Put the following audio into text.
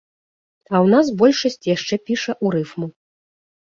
А ў нас большасць яшчэ піша ў рыфму.